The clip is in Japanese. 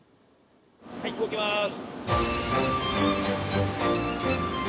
はい動きます。